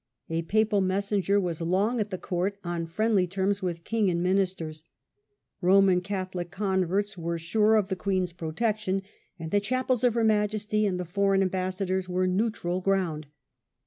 A papal messenger was long at the court on friendly terms with king and ministers. Roman Catholic converts were sure of the HAMPDEN AND SHIP MONEY. TJ queen's protection, and the chapels of her majesty and the foreign ambassadors were neutral ground.